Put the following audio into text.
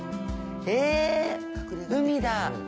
え、海だ。